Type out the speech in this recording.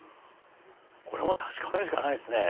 これは確かめるしかないですね。